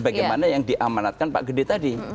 bagaimana yang diamanatkan pak gede tadi